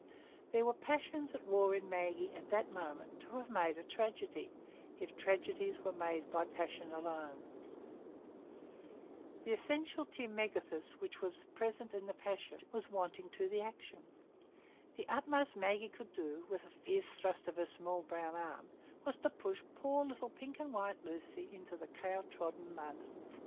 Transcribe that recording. There were passions at war in Maggie at that moment to have made a tragedy, if tragedies were made by passion only; but the essential τι μέγεθος which was present in the passion was wanting to the action; the utmost Maggie could do, with a fierce thrust of her small brown arm, was to push poor little pink and white Lucy into the cow trodden mud.